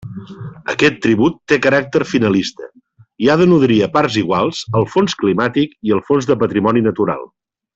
Aquest tribut té caràcter finalista i ha de nodrir a parts iguals el Fons climàtic i el Fons de patrimoni natural.